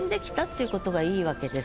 いうことがいいわけです。